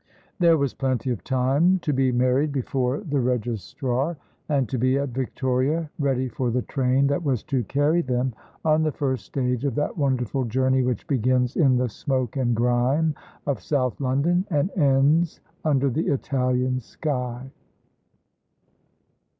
There was plenty of time to be married before the registrar, and to be at Victoria, ready for the train that was to carry them on the first stage of that wonderful journey which begins in the smoke and grime of South London and ends under the Italian sky.